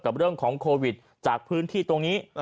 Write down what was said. กับเรื่องของโควิดจากพื้นที่ตรงนี้